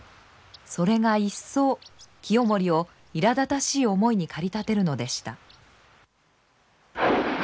それが一層清盛をいらだたしい思いに駆り立てるのでした。